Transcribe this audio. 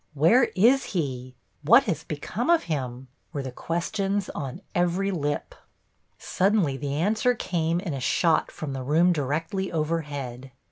"Where is he?" "What has become of him?" were the questions on every lip. Suddenly the answer came in a shot from the room directly overhead.